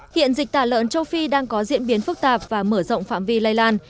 hiện dịch tả lợn châu phi đang có diễn biến phức tạp và mở rộng phạm vi lây lan